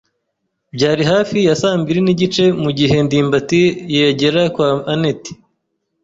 Byari hafi ya saa mbiri n'igice mugihe ndimbati yagera kwa anet.